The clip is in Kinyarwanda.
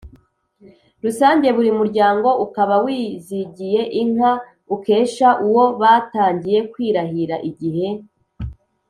rusange, buri muryango ukaba wizigiye inka ukesha uwo batangiye kwirahira igihe